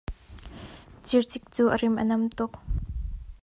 Circik cu a rim a nam tuk.